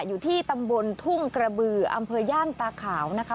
อยู่ที่ตำบลทุ่งกระบืออำเภอย่านตาขาวนะคะ